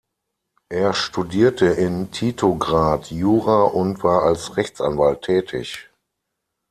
Er studierte in Titograd Jura und war als Rechtsanwalt tätig.